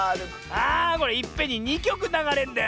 あこれいっぺんに２きょくながれんだよね。